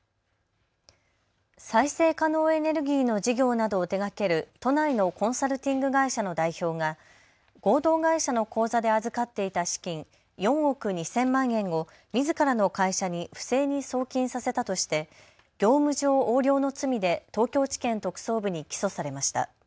再生可能エネルギーの事業などを手がける都内のコンサルティング会社の代表が合同会社の口座で預かっていた資金４億２０００万円をみずからの会社に不正に送金させたとして業務上横領の罪で東京地検特捜部に起訴されました。